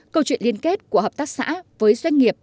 câu chuyện liên kết của hợp tác xã với doanh nghiệp